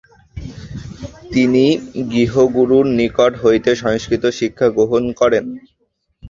তিনি গৃহগুরুর নিকট হইতে সংস্কৃত শিক্ষা গ্রহণ করেন।